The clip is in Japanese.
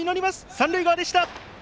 三塁側でした。